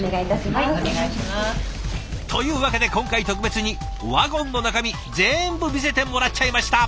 というわけで今回特別にワゴンの中身全部見せてもらっちゃいました！